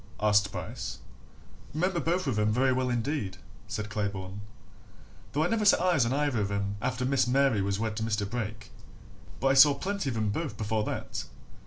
asked Bryce. "Remember both of 'em very well indeed," said Claybourne, "though I never set eyes on either after Miss Mary was wed to Mr. Brake. But I saw plenty of 'em both before that.